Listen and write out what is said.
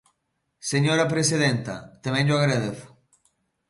Señora presidenta, tamén llo agradezo.